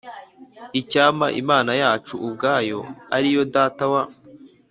Icyampa Imana yacu ubwayo ari yo Data wa